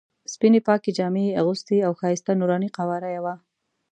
سپینې پاکې جامې یې اغوستې او ښایسته نوراني قواره یې وه.